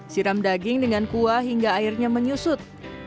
siram daging dengan kuah hingga airnya menyusut